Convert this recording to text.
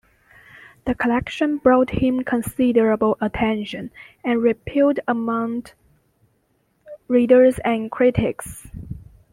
The collection brought him considerable attention and repute amount readers and critics.